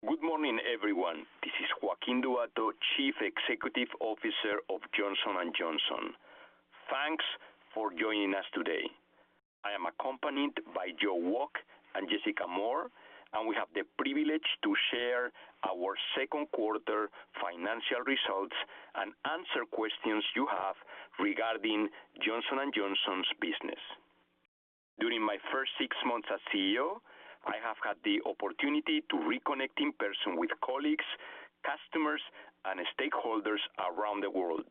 Good morning, everyone. This is Joaquin Duato, Chief Executive Officer of Johnson & Johnson. Thanks for joining us today. I am accompanied by Joe Wolk and Jessica Moore, and we have the privilege to share our second quarter financial results and answer questions you have regarding Johnson & Johnson's business. During my first six months as CEO, I have had the opportunity to reconnect in person with colleagues, customers, and stakeholders around the world.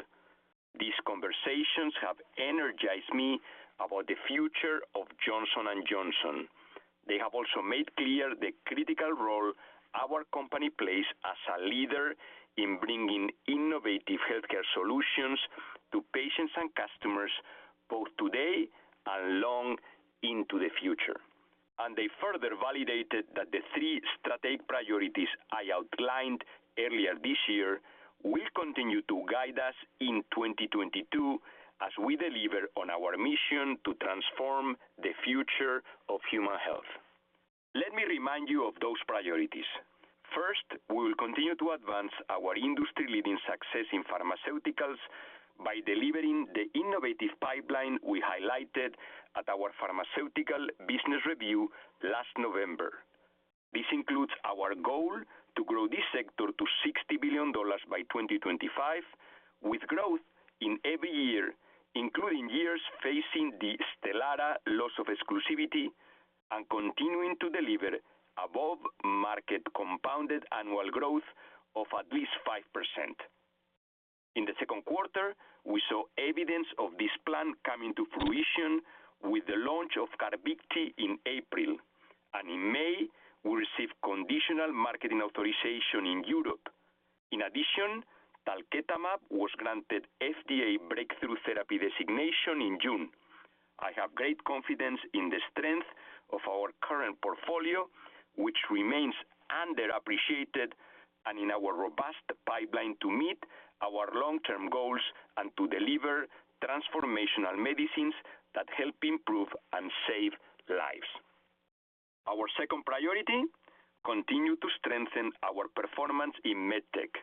These conversations have energized me about the future of Johnson & Johnson. They have also made clear the critical role our company plays as a leader in bringing innovative healthcare solutions to patients and customers both today and long into the future. They further validated that the three strategic priorities I outlined earlier this year will continue to guide us in 2022 as we deliver on our mission to transform the future of human health. Let me remind you of those priorities. First, we will continue to advance our industry-leading success in pharmaceuticals by delivering the innovative pipeline we highlighted at our pharmaceutical business review last November. This includes our goal to grow this sector to $60 billion by 2025, with growth in every year, including years facing the STELARA loss of exclusivity and continuing to deliver above market compounded annual growth of at least 5%. In the second quarter, we saw evidence of this plan coming to fruition with the launch of CARVYKTI in April. In May, we received conditional marketing authorization in Europe. In addition, talquetamab was granted FDA Breakthrough Therapy Designation in June. I have great confidence in the strength of our current portfolio, which remains underappreciated and in our robust pipeline to meet our long-term goals and to deliver transformational medicines that help improve and save lives. Our second priority, continue to strengthen our performance in MedTech.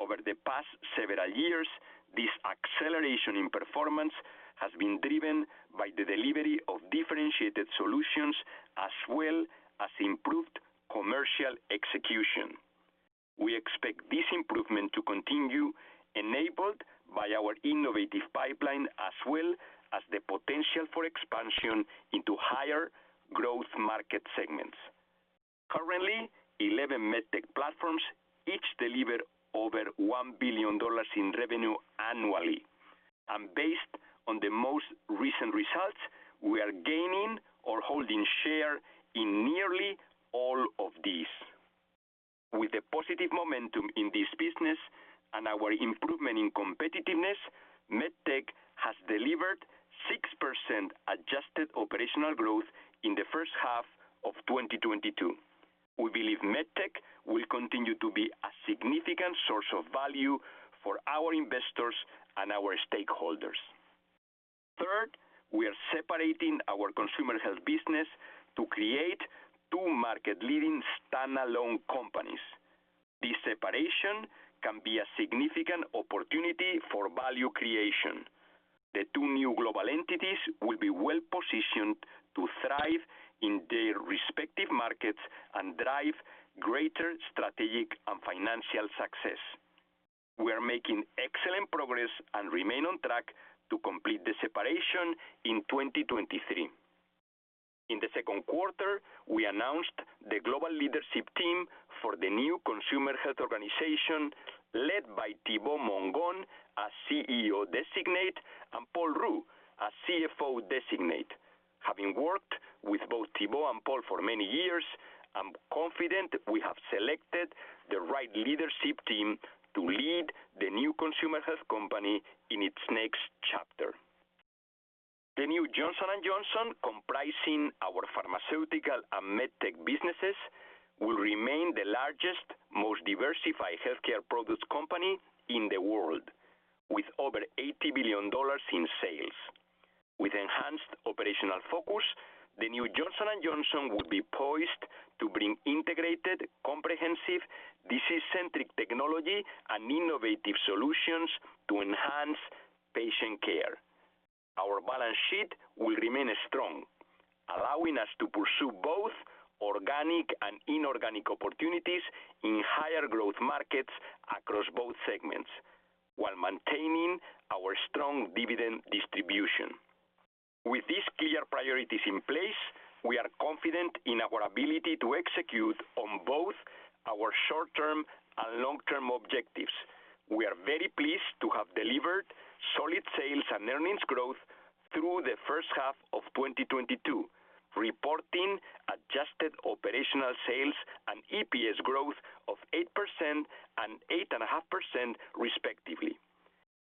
Over the past several years, this acceleration in performance has been driven by the delivery of differentiated solutions as well as improved commercial execution. We expect this improvement to continue enabled by our innovative pipeline as well as the potential for expansion into higher growth market segments. Currently, 11 MedTech platforms each deliver over $1 billion in revenue annually. Based on the most recent results, we are gaining or holding share in nearly all of these. With a positive momentum in this business and our improvement in competitiveness, MedTech has delivered 6% adjusted operational growth in the first half of 2022. We believe MedTech will continue to be a significant source of value for our investors and our stakeholders. Third, we are separating our Consumer Health business to create two market leading standalone companies. This separation can be a significant opportunity for value creation. The two new global entities will be well-positioned to thrive in their respective markets and drive greater strategic and financial success. We are making excellent progress and remain on track to complete the separation in 2023. In the second quarter, we announced the global leadership team for the new consumer health organization led by Thibaut Mongon as CEO Designate, and Paul Ruh as CFO Designate. Having worked with both Thibaut and Paul for many years, I'm confident we have selected the right leadership team to lead the new consumer health company in its next chapter. The new Johnson & Johnson, comprising our Pharmaceutical and MedTech businesses, will remain the largest, most diversified healthcare products company in the world with over $80 billion in sales. With enhanced operational focus, the new Johnson & Johnson will be poised to bring integrated, comprehensive disease-centric technology and innovative solutions to enhance patient care. Our balance sheet will remain strong, allowing us to pursue both organic and inorganic opportunities in higher growth markets across both segments while maintaining our strong dividend distribution. With these clear priorities in place, we are confident in our ability to execute on both our short-term and long-term objectives. We are very pleased to have delivered solid sales and earnings growth through the first half of 2022, reporting adjusted operational sales and EPS growth of 8% and 8.5% respectively.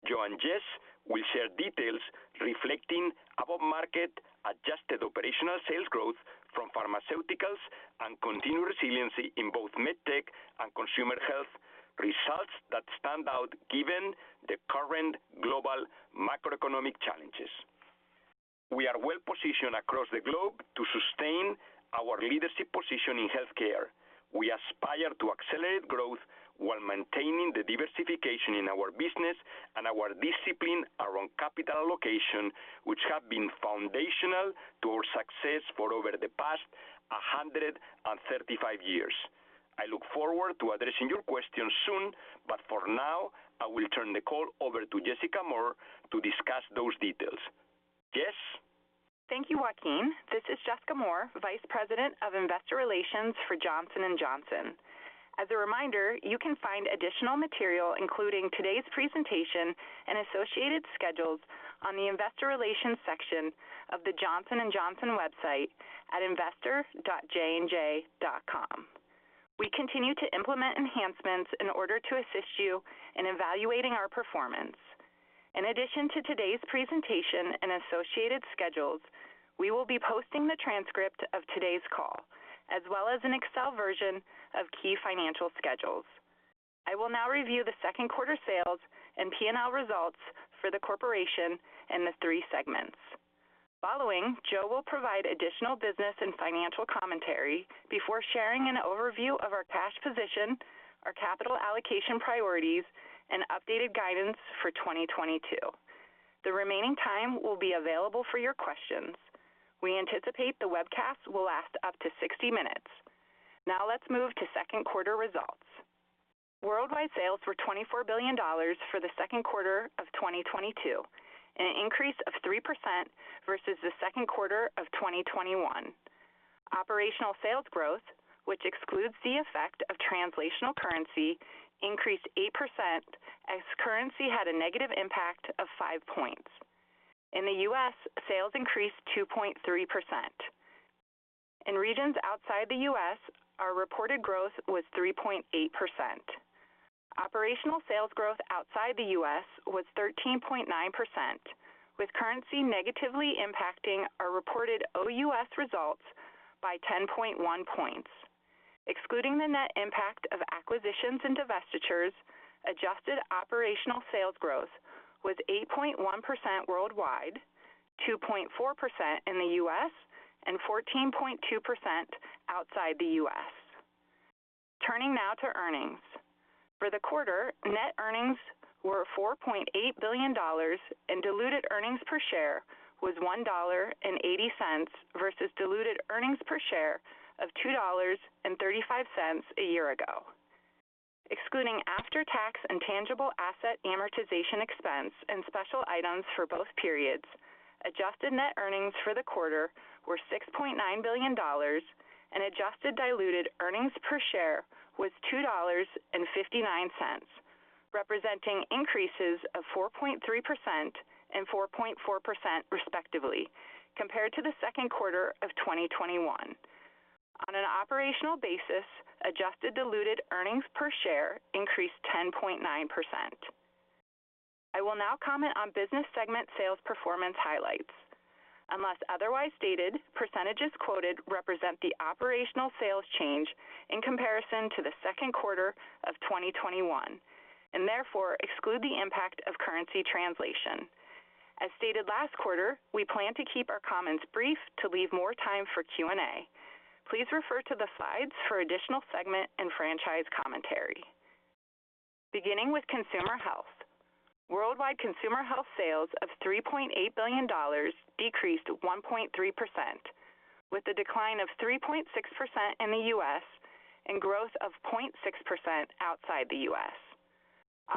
Joe and Jess will share details reflecting above market adjusted operational sales growth from Pharmaceuticals and continued resiliency in both MedTech and Consumer Health, results that stand out given the current global macroeconomic challenges. We are well positioned across the globe to sustain our leadership position in healthcare. We aspire to accelerate growth while maintaining the diversification in our business and our discipline around capital allocation, which have been foundational to our success for over the past 135 years. I look forward to addressing your questions soon, but for now, I will turn the call over to Jessica Moore to discuss those details. Jess? Thank you, Joaquin. This is Jessica Moore, Vice President of Investor Relations for Johnson & Johnson. As a reminder, you can find additional material, including today's presentation and associated schedules on the investor relations section of the Johnson & Johnson website at investor.jnj.com. We continue to implement enhancements in order to assist you in evaluating our performance. In addition to today's presentation and associated schedules, we will be posting the transcript of today's call as well as an Excel version of key financial schedules. I will now review the second quarter sales and P&L results for the corporation and the three segments. Following, Joe will provide additional business and financial commentary before sharing an overview of our cash position, our capital allocation priorities, and updated guidance for 2022. The remaining time will be available for your questions. We anticipate the webcast will last up to 60 minutes. Now let's move to second quarter results. Worldwide sales were $24 billion for the second quarter of 2022, an increase of 3% versus the second quarter of 2021. Operational sales growth, which excludes the effect of translational currency, increased 8% as currency had a negative impact of 5 points. In the US, sales increased 2.3%. In regions outside the US, our reported growth was 3.8%. Operational sales growth outside the US was 13.9%, with currency negatively impacting our reported OUS results by 10.1 points. Excluding the net impact of acquisitions and divestitures, adjusted operational sales growth was 8.1% worldwide, 2.4% in the US, and 14.2% outside the US. Turning now to earnings. For the quarter, net earnings were $4.8 billion and diluted earnings per share was $1.80 versus diluted earnings per share of $2.35 a year ago. Excluding after-tax and tangible asset amortization expense and special items for both periods, adjusted net earnings for the quarter were $6.9 billion and adjusted diluted earnings per share was $2.59, representing increases of 4.3% and 4.4% respectively compared to the second quarter of 2021. On an operational basis, adjusted diluted earnings per share increased 10.9%. I will now comment on business segment sales performance highlights. Unless otherwise stated, percentages quoted represent the operational sales change in comparison to the second quarter of 2021 and therefore exclude the impact of currency translation. As stated last quarter, we plan to keep our comments brief to leave more time for Q&A. Please refer to the slides for additional segment and franchise commentary. Beginning with Consumer Health. Worldwide Consumer Health sales of $3.8 billion decreased 1.3%, with a decline of 3.6% in the U.S. and growth of 0.6% outside the U.S.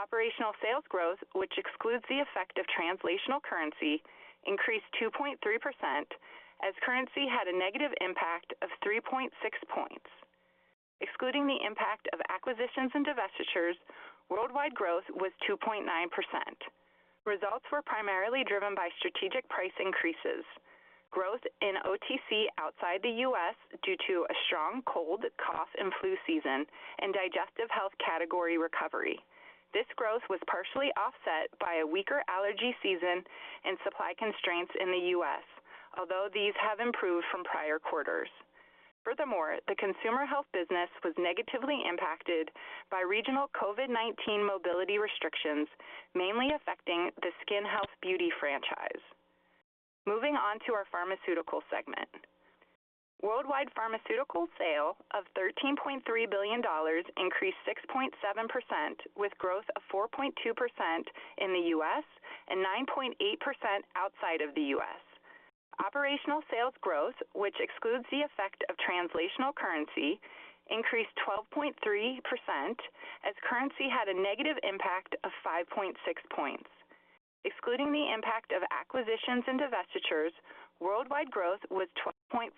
Operational sales growth, which excludes the effect of translational currency, increased 2.3% as currency had a negative impact of 3.6 points. Excluding the impact of acquisitions and divestitures, worldwide growth was 2.9%. Results were primarily driven by strategic price increases. Growth in OTC outside the U.S. due to a strong cold, cough, and flu season and digestive health category recovery. This growth was partially offset by a weaker allergy season and supply constraints in the US, although these have improved from prior quarters. Furthermore, the Consumer Health business was negatively impacted by regional COVID-19 mobility restrictions, mainly affecting the skin health beauty franchise. Moving on to our pharmaceutical segment. Worldwide pharmaceutical sales of $13.3 billion increased 6.7% with growth of 4.2% in the US and 9.8% outside of the US. Operational sales growth, which excludes the effect of translational currency, increased 12.3% as currency had a negative impact of 5.6 points. Excluding the impact of acquisitions and divestitures, worldwide growth was 12.4%.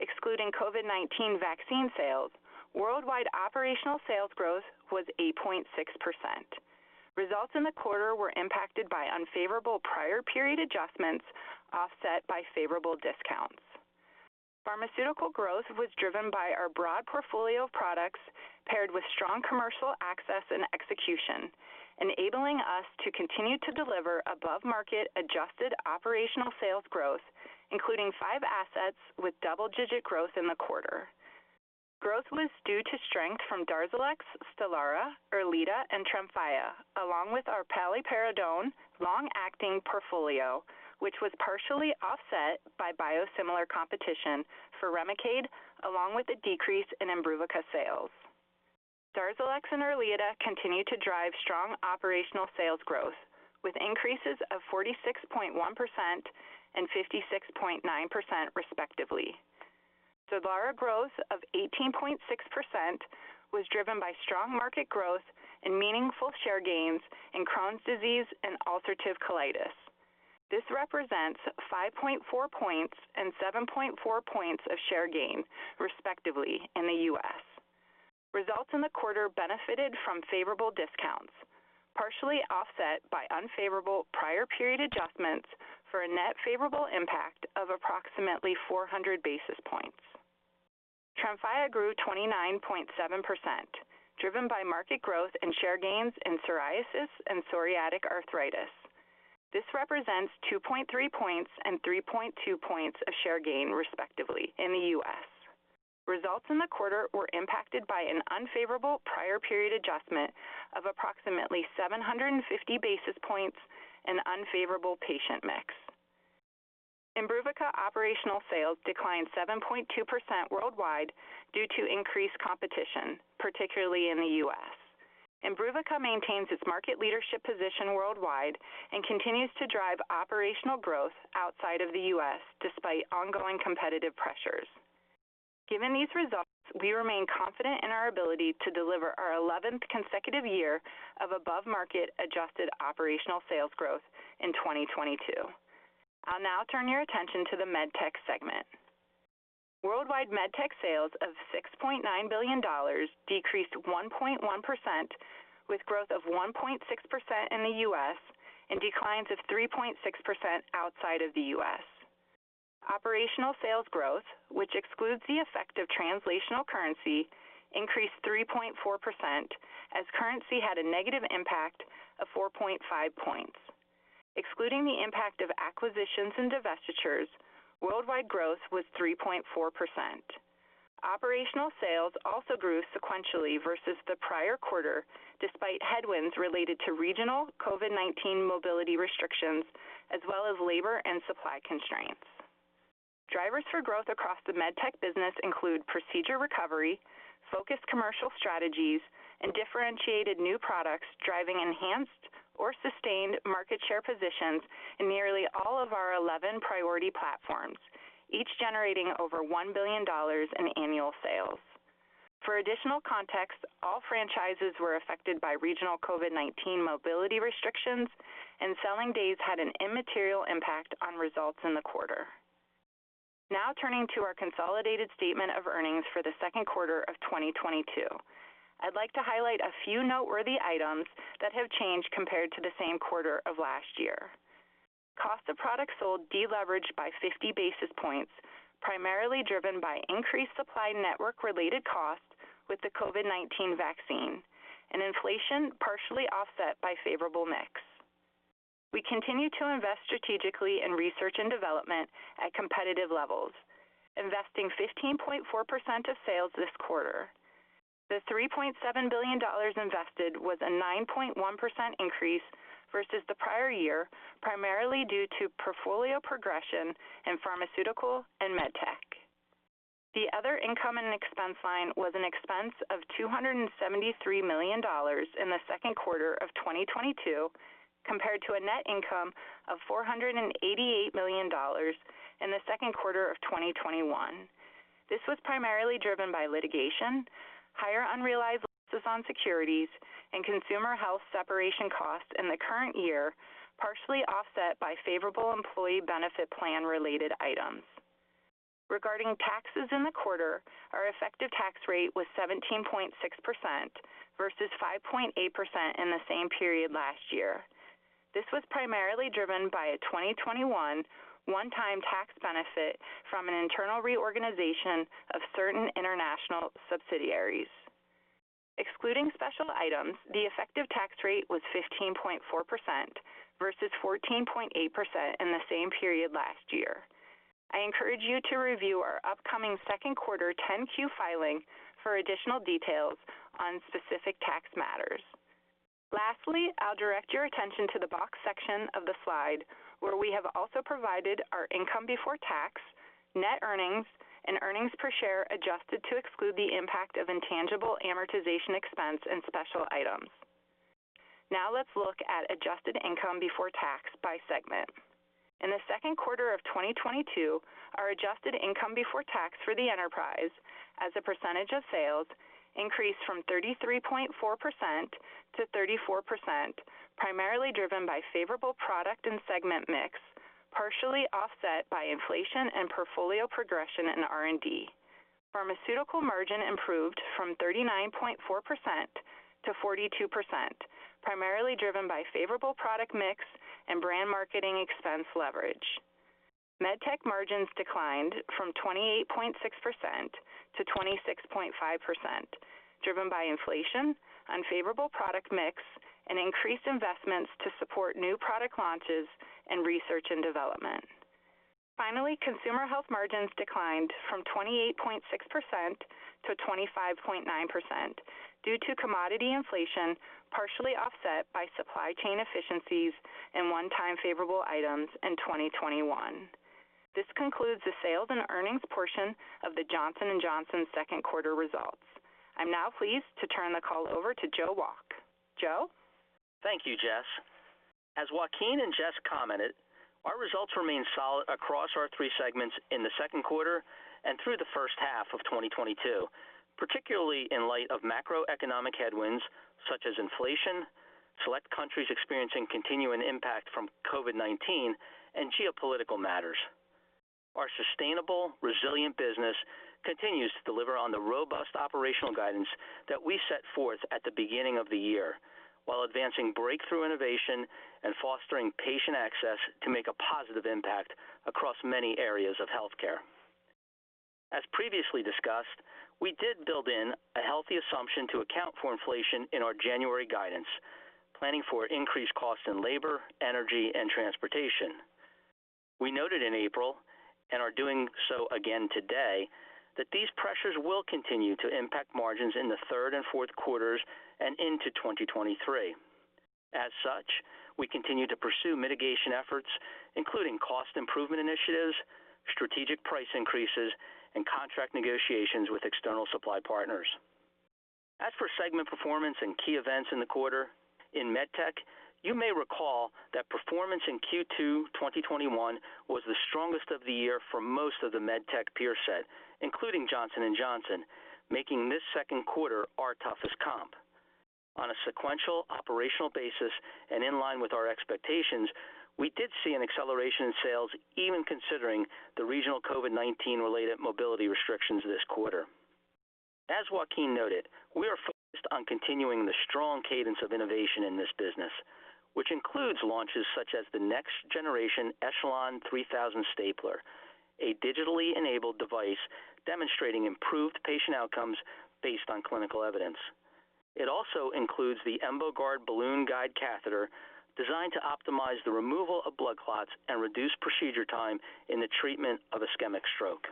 Excluding COVID-19 vaccine sales, worldwide operational sales growth was 8.6%. Results in the quarter were impacted by unfavorable prior period adjustments offset by favorable discounts. Pharmaceutical growth was driven by our broad portfolio of products paired with strong commercial access and execution, enabling us to continue to deliver above-market adjusted operational sales growth, including five assets with double-digit growth in the quarter. Growth was due to strength from DARZALEX, STELARA, ERLEADA, and TREMFYA, along with our paliperidone long-acting portfolio, which was partially offset by biosimilar competition for Remicade, along with a decrease in IMBRUVICA sales. DARZALEX and ERLEADA continued to drive strong operational sales growth, with increases of 46.1% and 56.9% respectively. STELARA growth of 18.6% was driven by strong market growth and meaningful share gains in Crohn's disease and ulcerative colitis. This represents 5.4 points and 7.4 points of share gain, respectively, in the U.S. Results in the quarter benefited from favorable discounts, partially offset by unfavorable prior period adjustments for a net favorable impact of approximately 400 basis points. TREMFYA grew 29.7%, driven by market growth and share gains in psoriasis and psoriatic arthritis. This represents 2.3 points and 3.2 points of share gain, respectively, in the U.S. Results in the quarter were impacted by an unfavorable prior period adjustment of approximately 750 basis points and unfavorable patient mix. IMBRUVICA operational sales declined 7.2% worldwide due to increased competition, particularly in the U.S. IMBRUVICA maintains its market leadership position worldwide and continues to drive operational growth outside of the U.S. despite ongoing competitive pressures. Given these results, we remain confident in our ability to deliver our 11th consecutive year of above-market adjusted operational sales growth in 2022. I'll now turn your attention to the MedTech segment. Worldwide MedTech sales of $6.9 billion decreased 1.1%, with growth of 1.6% in the U.S. and declines of 3.6% outside of the U.S. Operational sales growth, which excludes the effect of currency translation, increased 3.4% as currency had a negative impact of 4.5 points. Excluding the impact of acquisitions and divestitures, worldwide growth was 3.4%. Operational sales also grew sequentially versus the prior quarter, despite headwinds related to regional COVID-19 mobility restrictions as well as labor and supply constraints. Drivers for growth across the MedTech business include procedure recovery, focused commercial strategies, and differentiated new products driving enhanced or sustained market share positions in nearly all of our 11 priority platforms, each generating over $1 billion in annual sales. For additional context, all franchises were affected by regional COVID-19 mobility restrictions and selling days had an immaterial impact on results in the quarter. Now turning to our consolidated statement of earnings for the second quarter of 2022. I'd like to highlight a few noteworthy items that have changed compared to the same quarter of last year. Cost of products sold deleveraged by 50 basis points, primarily driven by increased supply network-related costs with the COVID-19 vaccine and inflation partially offset by favorable mix. We continue to invest strategically in research and development at competitive levels, investing 15.4% of sales this quarter. The $3.7 billion invested was a 9.1% increase versus the prior year, primarily due to portfolio progression in Pharmaceutical and MedTech. The other income and expense line was an expense of $273 million in the second quarter of 2022, compared to a net income of $488 million in the second quarter of 2021. This was primarily driven by litigation, higher unrealized losses on securities and Consumer Health separation costs in the current year, partially offset by favorable employee benefit plan related items. Regarding taxes in the quarter, our effective tax rate was 17.6% versus 5.8% in the same period last year. This was primarily driven by a 2021 one-time tax benefit from an internal reorganization of certain international subsidiaries. Excluding special items, the effective tax rate was 15.4% versus 14.8% in the same period last year. I encourage you to review our upcoming second quarter 10-Q filing for additional details on specific tax matters. Lastly, I'll direct your attention to the box section of the slide where we have also provided our income before tax, net earnings, and earnings per share adjusted to exclude the impact of intangible amortization expense and special items. Now let's look at adjusted income before tax by segment. In the second quarter of 2022, our adjusted income before tax for the enterprise as a percentage of sales increased from 33.4% to 34%, primarily driven by favorable product and segment mix, partially offset by inflation and portfolio progression in R&D. Pharmaceutical margin improved from 39.4% to 42%, primarily driven by favorable product mix and brand marketing expense leverage. MedTech margins declined from 28.6% to 26.5%, driven by inflation, unfavorable product mix, and increased investments to support new product launches and research and development. Finally, Consumer Health margins declined from 28.6% to 25.9% due to commodity inflation, partially offset by supply chain efficiencies and one-time favorable items in 2021. This concludes the sales and earnings portion of the Johnson & Johnson second quarter results. I'm now pleased to turn the call over to Joe Wolk. Joe? Thank you, Jess. As Joaquin and Jess commented, our results remain solid across our three segments in the second quarter and through the first half of 2022, particularly in light of macroeconomic headwinds such as inflation, select countries experiencing continuing impact from COVID-19, and geopolitical matters. Our sustainable, resilient business continues to deliver on the robust operational guidance that we set forth at the beginning of the year, while advancing breakthrough innovation and fostering patient access to make a positive impact across many areas of healthcare. As previously discussed, we did build in a healthy assumption to account for inflation in our January guidance, planning for increased costs in labor, energy, and transportation. We noted in April, and are doing so again today, that these pressures will continue to impact margins in the third and fourth quarters and into 2023. As such, we continue to pursue mitigation efforts, including cost improvement initiatives, strategic price increases, and contract negotiations with external supply partners. As for segment performance and key events in the quarter, in MedTech, you may recall that performance in Q2 2021 was the strongest of the year for most of the MedTech peer set, including Johnson & Johnson, making this second quarter our toughest comp. On a sequential operational basis and in line with our expectations, we did see an acceleration in sales even considering the regional COVID-19 related mobility restrictions this quarter. As Joaquin noted, we are focused on continuing the strong cadence of innovation in this business, which includes launches such as the next-generation Echelon 3000 stapler, a digitally enabled device demonstrating improved patient outcomes based on clinical evidence. It also includes the EMBOGUARD Balloon Guide Catheter, designed to optimize the removal of blood clots and reduce procedure time in the treatment of ischemic stroke.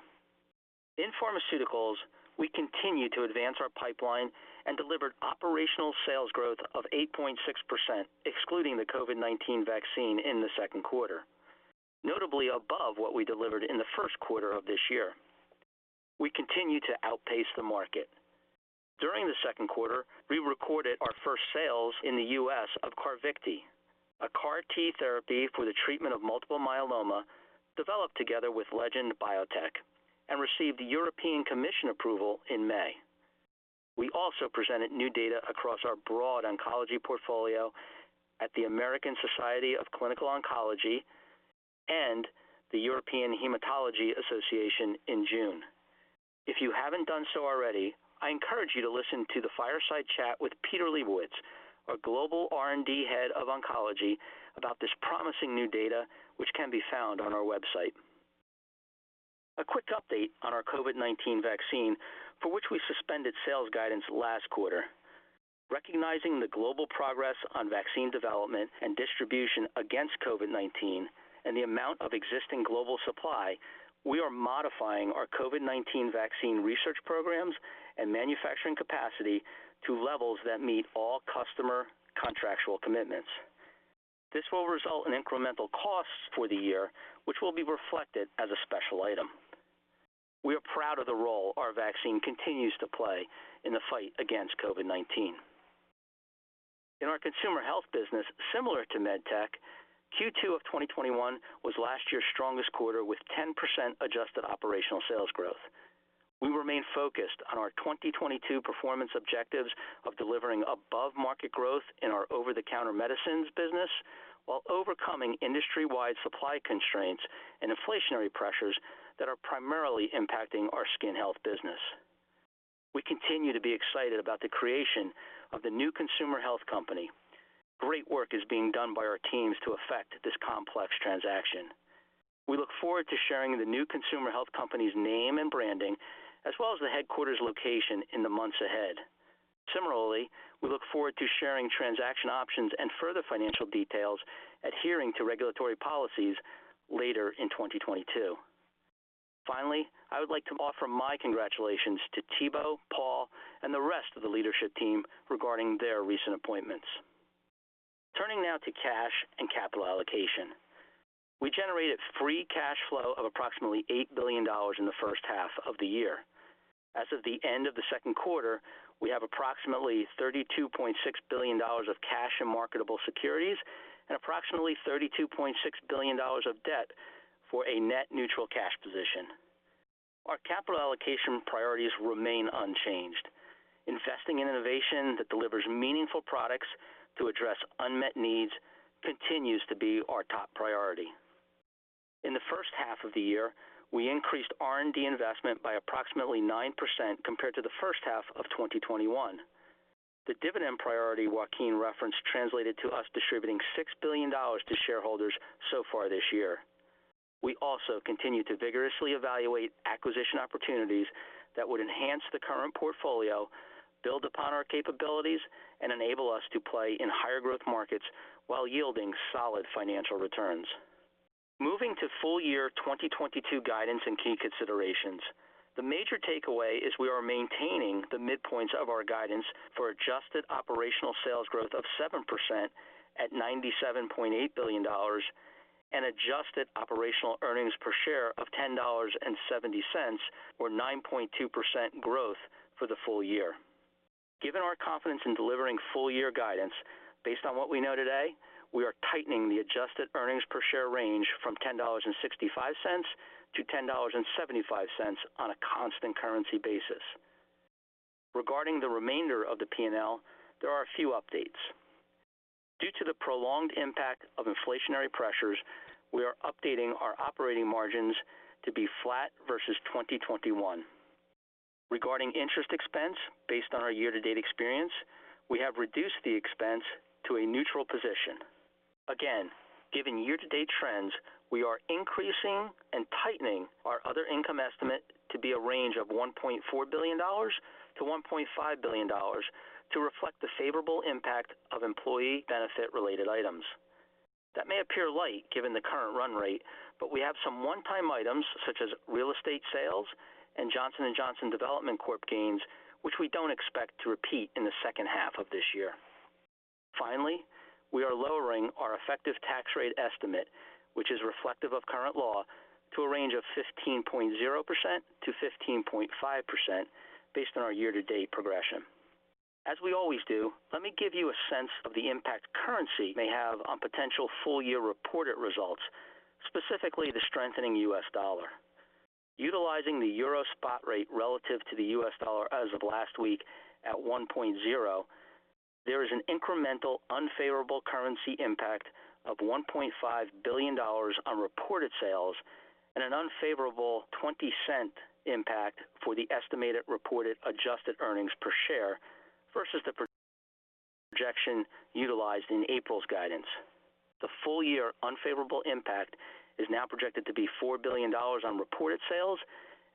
In pharmaceuticals, we continue to advance our pipeline and delivered operational sales growth of 8.6%, excluding the COVID-19 vaccine in the second quarter, notably above what we delivered in the first quarter of this year. We continue to outpace the market. During the second quarter, we recorded our first sales in the U.S. of CARVYKTI, a CAR T therapy for the treatment of multiple myeloma developed together with Legend Biotech and received the European Commission approval in May. We also presented new data across our broad oncology portfolio at the American Society of Clinical Oncology and the European Hematology Association in June. If you haven't done so already, I encourage you to listen to the fireside chat with Peter Lebowitz, our global R&D head of oncology, about this promising new data, which can be found on our website. A quick update on our COVID-19 vaccine for which we suspended sales guidance last quarter. Recognizing the global progress on vaccine development and distribution against COVID-19 and the amount of existing global supply, we are modifying our COVID-19 vaccine research programs and manufacturing capacity to levels that meet all customer contractual commitments. This will result in incremental costs for the year, which will be reflected as a special item. We are proud of the role our vaccine continues to play in the fight against COVID-19. In our Consumer Health business, similar to MedTech, Q2 of 2021 was last year's strongest quarter with 10% adjusted operational sales growth. We remain focused on our 2022 performance objectives of delivering above-market growth in our over-the-counter medicines business while overcoming industry-wide supply constraints and inflationary pressures that are primarily impacting our skin health business. We continue to be excited about the creation of the new consumer health company. Great work is being done by our teams to affect this complex transaction. We look forward to sharing the new consumer health company's name and branding, as well as the headquarters location in the months ahead. Similarly, we look forward to sharing transaction options and further financial details adhering to regulatory policies later in 2022. Finally, I would like to offer my congratulations to Thibaut, Paul, and the rest of the leadership team regarding their recent appointments. Turning now to cash and capital allocation. We generated free cash flow of approximately $8 billion in the first half of the year. As of the end of the second quarter, we have approximately $32.6 billion of cash and marketable securities and approximately $32.6 billion of debt for a net neutral cash position. Our capital allocation priorities remain unchanged. Investing in innovation that delivers meaningful products to address unmet needs continues to be our top priority. In the first half of the year, we increased R&D investment by approximately 9% compared to the first half of 2021. The dividend priority Joaquin referenced translated to us distributing $6 billion to shareholders so far this year. We also continue to vigorously evaluate acquisition opportunities that would enhance the current portfolio, build upon our capabilities and enable us to play in higher growth markets while yielding solid financial returns. Moving to full-year 2022 guidance and key considerations, the major takeaway is we are maintaining the midpoints of our guidance for adjusted operational sales growth of 7% at $97.8 billion and adjusted operational earnings per share of $10.70 or 9.2% growth for the full-year. Given our confidence in delivering full-year guidance based on what we know today, we are tightening the adjusted earnings per share range from $10.65 to $10.75 on a constant currency basis. Regarding the remainder of the P&L, there are a few updates. Due to the prolonged impact of inflationary pressures, we are updating our operating margins to be flat versus 2021. Regarding interest expense, based on our year-to-date experience, we have reduced the expense to a neutral position. Again, given year-to-date trends, we are increasing and tightening our other income estimate to a range of $1.4 billion-$1.5 billion to reflect the favorable impact of employee benefit-related items. That may appear light given the current run rate, but we have some one-time items such as real estate sales and Johnson & Johnson Development Corporation gains, which we don't expect to repeat in the second half of this year. Finally, we are lowering our effective tax rate estimate, which is reflective of current law, to a range of 15.0%-15.5% based on our year-to-date progression. As we always do, let me give you a sense of the impact currency may have on potential full-year reported results, specifically the strengthening U.S. dollar. Utilizing the euro spot rate relative to the US dollar as of last week at 1.0, there is an incremental unfavorable currency impact of $1.5 billion on reported sales and an unfavorable $0.20 impact for the estimated reported adjusted earnings per share versus the projection utilized in April's guidance. The full-year unfavorable impact is now projected to be $4 billion on reported sales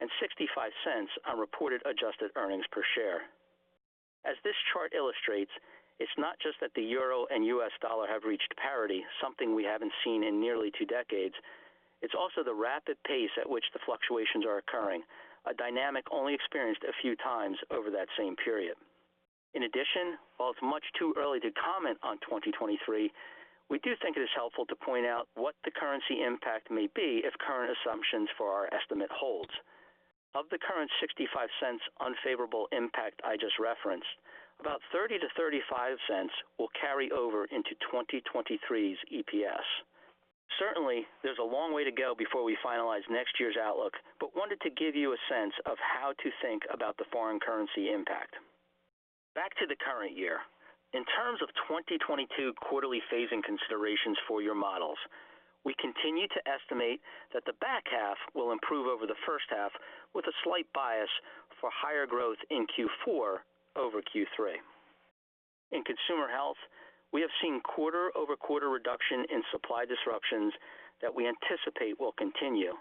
and $0.65 on reported adjusted earnings per share. As this chart illustrates, it's not just that the euro and US dollar have reached parity, something we haven't seen in nearly two decades. It's also the rapid pace at which the fluctuations are occurring, a dynamic only experienced a few times over that same period. In addition, while it's much too early to comment on 2023, we do think it is helpful to point out what the currency impact may be if current assumptions for our estimate holds. Of the current $0.65 unfavorable impact I just referenced, about $0.30-$0.35 will carry over into 2023's EPS. Certainly, there's a long way to go before we finalize next year's outlook, but wanted to give you a sense of how to think about the foreign currency impact. Back to the current year. In terms of 2022 quarterly phasing considerations for your models, we continue to estimate that the back half will improve over the first half with a slight bias for higher growth in Q4 over Q3. In Consumer Health, we have seen quarter-over-quarter reduction in supply disruptions that we anticipate will continue.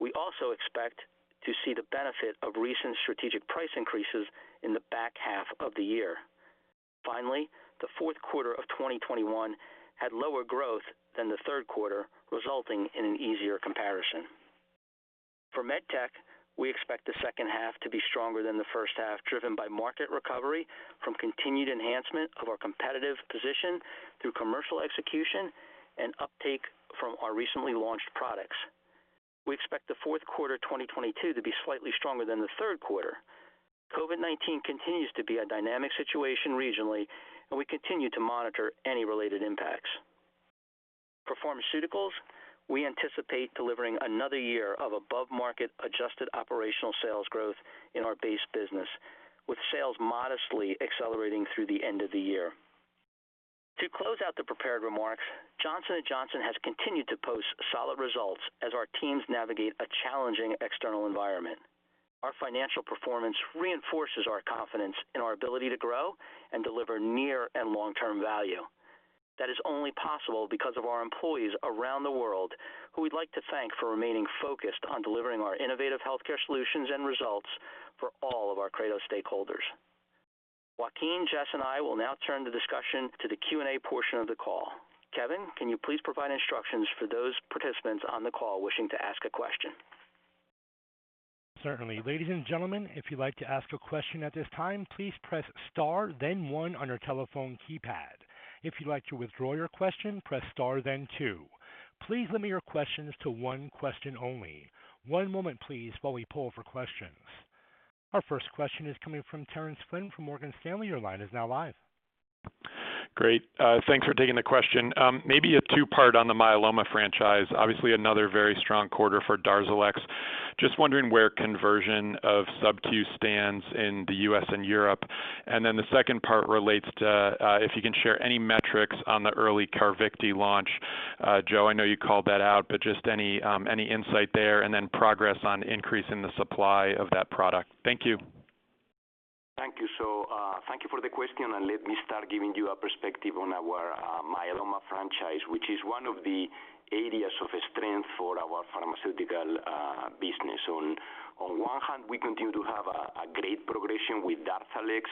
We also expect to see the benefit of recent strategic price increases in the back half of the year. Finally, the fourth quarter of 2021 had lower growth than the third quarter, resulting in an easier comparison. For MedTech, we expect the second half to be stronger than the first half, driven by market recovery from continued enhancement of our competitive position through commercial execution and uptake from our recently launched products. We expect the fourth quarter 2022 to be slightly stronger than the third quarter. COVID-19 continues to be a dynamic situation regionally, and we continue to monitor any related impacts. For pharmaceuticals, we anticipate delivering another year of above market adjusted operational sales growth in our base business, with sales modestly accelerating through the end of the year. To close out the prepared remarks, Johnson & Johnson has continued to post solid results as our teams navigate a challenging external environment. Our financial performance reinforces our confidence in our ability to grow and deliver near and long term value. That is only possible because of our employees around the world who we'd like to thank for remaining focused on delivering our innovative healthcare solutions and results for all of our credo stakeholders. Joaquin, Jess, and I will now turn the discussion to the Q&A portion of the call. Kevin, can you please provide instructions for those participants on the call wishing to ask a question? Certainly. Ladies and gentlemen, if you'd like to ask a question at this time, please press star then one on your telephone keypad. If you'd like to withdraw your question, press star then two. Please limit your questions to one question only. One moment, please, while we poll for questions. Our first question is coming from Terence Flynn from Morgan Stanley. Your line is now live. Great. Thanks for taking the question. Maybe a two part on the myeloma franchise. Obviously another very strong quarter for DARZALEX. Just wondering where conversion of sub-Q stands in the U.S. and Europe. The second part relates to if you can share any metrics on the early CARVYKTI launch. Joe, I know you called that out, but just any insight there and then progress on increasing the supply of that product. Thank you. Thank you for the question, and let me start giving you a perspective on our myeloma franchise, which is one of the areas of strength for our pharmaceutical business. Great progression with DARZALEX,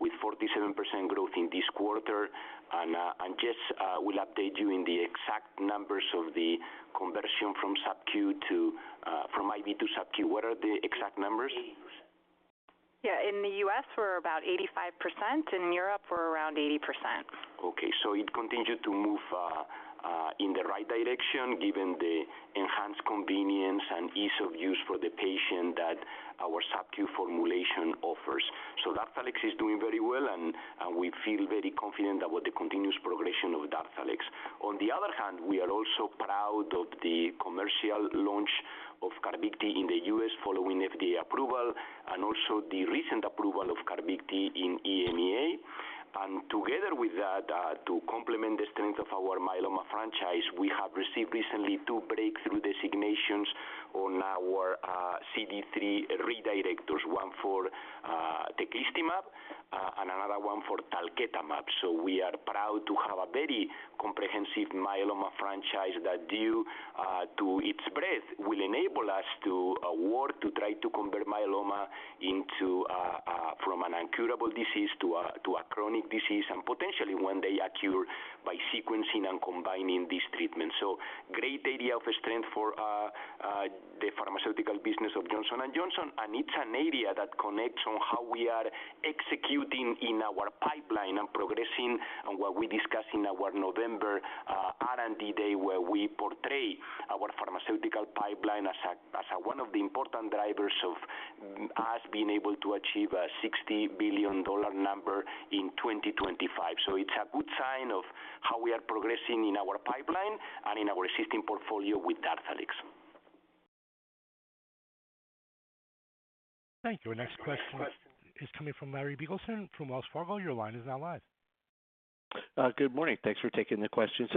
with 47% growth in this quarter. And Jess will update you on the exact numbers of the conversion from IV to subQ. What are the exact numbers? Yeah. In the US we're about 85%. In Europe, we're around 80%. Okay. It continued to move in the right direction given the enhanced convenience and ease of use for the patient that our subQ formulation offers. DARZALEX is doing very well and we feel very confident about the continuous progression of DARZALEX. On the other hand, we are also proud of the commercial launch of CARVYKTI in the US following FDA approval and also the recent approval of CARVYKTI in EMEA. Together with that, to complement the strength of our myeloma franchise, we have received recently two breakthrough designations on our CD3 redirectors, one for teclistamab and another one for talquetamab. We are proud to have a very comprehensive myeloma franchise that due to its breadth will enable us to work to try to convert myeloma into from an incurable disease to a chronic disease and potentially one day a cure by sequencing and combining these treatments. Great area of strength for the pharmaceutical business of Johnson & Johnson, and it's an area that connects on how we are executing in our pipeline and progressing on what we discussed in our November R&D Day, where we portray our pharmaceutical pipeline as one of the important drivers of us being able to achieve a $60 billion number in 2025. It's a good sign of how we are progressing in our pipeline and in our existing portfolio with DARZALEX. Thank you. Next question is coming from Larry Biegelsen from Wells Fargo. Your line is now live. Good morning. Thanks for taking the question.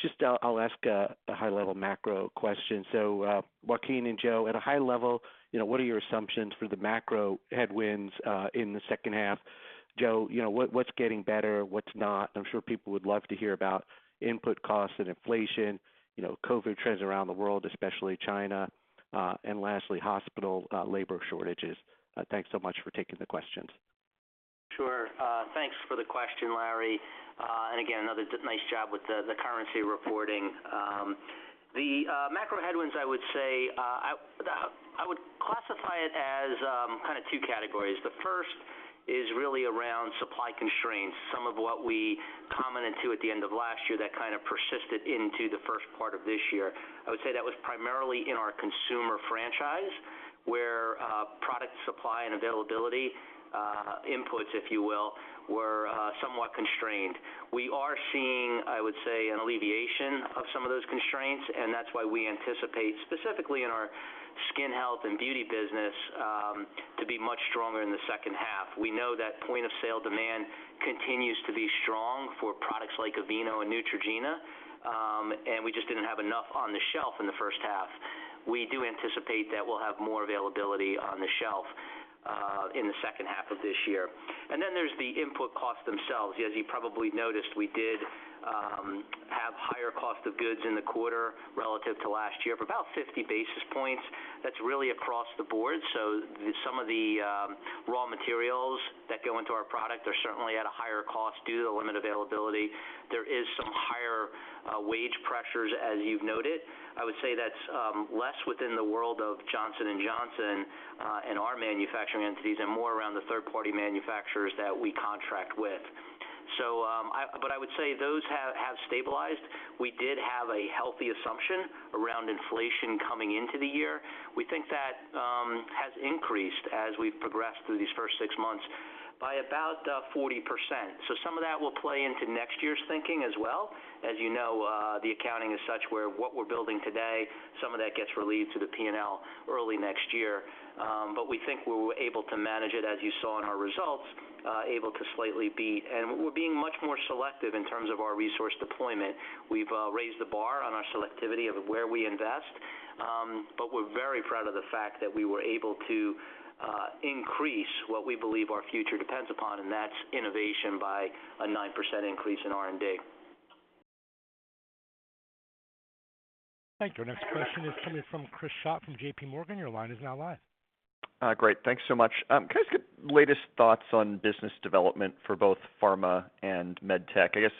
Just I'll ask a high level macro question. Joaquin and Joe, at a high level, you know, what are your assumptions for the macro headwinds in the second half? Joe, you know, what's getting better? What's not? I'm sure people would love to hear about input costs and inflation, you know, COVID trends around the world, especially China. Lastly, hospital labor shortages. Thanks so much for taking the questions. Sure. Thanks for the question, Larry. Again, another nice job with the currency reporting. The macro headwinds, I would say, I would classify it as kind of two categories. The first is really around supply constraints, some of what we commented on at the end of last year that kind of persisted into the first part of this year. I would say that was primarily in our consumer franchise, where product supply and availability, inputs, if you will, were somewhat constrained. We are seeing, I would say, an alleviation of some of those constraints, and that's why we anticipate specifically in our skin health and beauty business to be much stronger in the second half. We know that point-of-sale demand continues to be strong for products like Aveeno and Neutrogena, and we just didn't have enough on the shelf in the first half. We do anticipate that we'll have more availability on the shelf in the second half of this year. There's the input costs themselves. As you probably noticed, we did have higher cost of goods in the quarter relative to last year of about 50 basis points. That's really across the board. Some of the raw materials that go into our product are certainly at a higher cost due to the limited availability. There is some higher wage pressures, as you've noted. I would say that's less within the world of Johnson & Johnson and our manufacturing entities and more around the third-party manufacturers that we contract with. I would say those have stabilized. We did have a healthy assumption around inflation coming into the year. We think that has increased as we've progressed through these first six months by about 40%. Some of that will play into next year's thinking as well. As you know, the accounting is such where what we're building today, some of that gets relieved to the P&L early next year. We think we were able to manage it, as you saw in our results, able to slightly beat. We're being much more selective in terms of our resource deployment. We've raised the bar on our selectivity of where we invest, but we're very proud of the fact that we were able to increase what we believe our future depends upon, and that's innovation by a 9% increase in R&D. Thank you. Our next question is coming from Chris Schott from JPMorgan. Your line is now live. Great. Thanks so much. Can I just get latest thoughts on business development for both pharma and med tech? I guess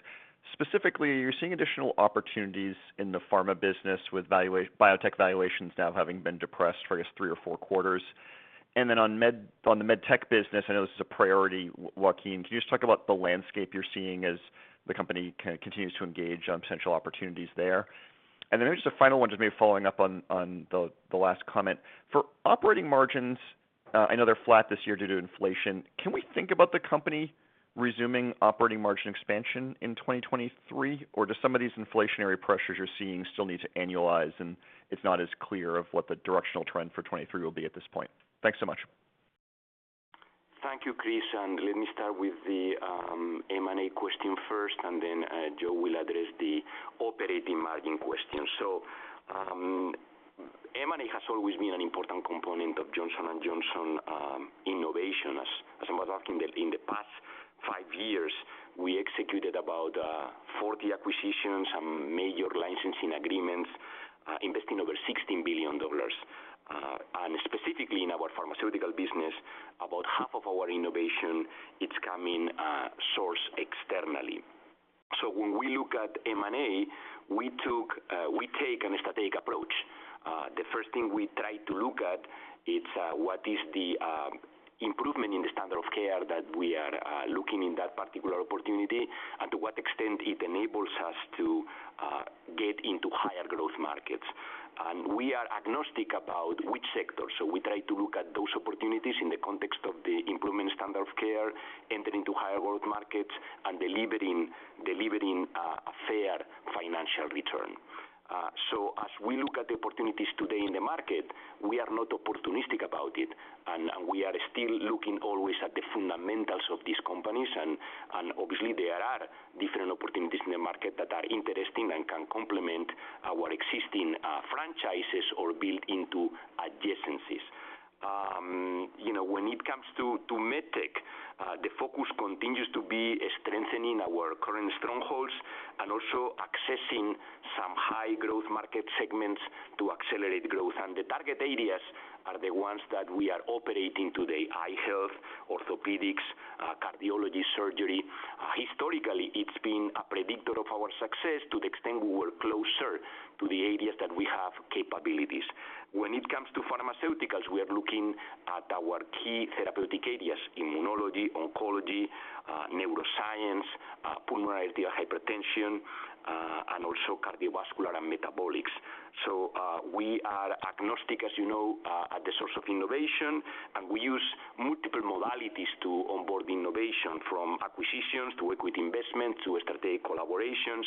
specifically, are you seeing additional opportunities in the pharma business with biotech valuations now having been depressed for, I guess, three or four quarters? On the med tech business, I know this is a priority, Joaquin, can you just talk about the landscape you're seeing as the company continues to engage on potential opportunities there? Just a final one, just maybe following up on the last comment. For operating margins, I know they're flat this year due to inflation. Can we think about the company resuming operating margin expansion in 2023, or do some of these inflationary pressures you're seeing still need to annualize and it's not as clear of what the directional trend for 2023 will be at this point? Thanks so much. Thank you, Chris. Let me start with the M&A question first, and then Joe will address the operating margin question. M&A has always been an important component of Johnson & Johnson innovation. In the past five years, we executed about 40 acquisitions, some major licensing agreements, investing over $16 billion. Specifically in our pharmaceutical business, about half of our innovation it's coming sourced externally. When we look at M&A, we take a strategic approach. The first thing we try to look at is what is the improvement in the standard of care that we are looking in that particular opportunity, and to what extent it enables us to get into higher growth markets. We are agnostic about which sector. We try to look at those opportunities in the context of the improvement standard of care, entering into higher growth markets and delivering a fair financial return. As we look at the opportunities today in the market, we are not opportunistic about it, and we are still looking always at the fundamentals of these companies. Obviously there are different opportunities in the market that are interesting and can complement our existing franchises or build into adjacencies. You know, when it comes to med tech, the focus continues to be strengthening our current strongholds and also accessing some high growth market segments to accelerate growth. The target areas are the ones that we are operating today. Eye health, orthopedics, cardiology, surgery. Historically, it's been a predictor of our success to the extent we were closer to the areas that we have capabilities. When it comes to pharmaceuticals, we are looking at our key therapeutic areas, immunology, oncology, neuroscience, pulmonary arterial hypertension, and also cardiovascular and metabolics. We are agnostic, as you know, at the source of innovation, and we use multiple modalities to onboard innovation from acquisitions to equity investment to strategic collaborations.